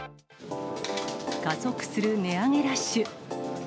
加速する値上げラッシュ。